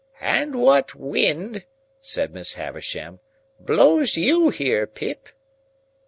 "And what wind," said Miss Havisham, "blows you here, Pip?"